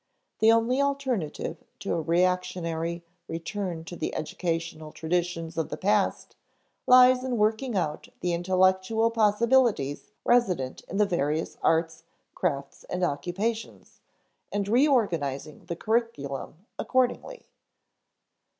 The only alternative to a reactionary return to the educational traditions of the past lies in working out the intellectual possibilities resident in the various arts, crafts, and occupations, and reorganizing the curriculum accordingly.